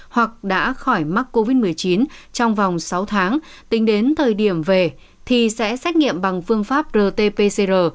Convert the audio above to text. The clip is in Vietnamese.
hoặc đã khỏi mắc covid một mươi chín trong vòng sáu tháng tính đến thời điểm về thì sẽ xét nghiệm bằng phương pháp rt pcr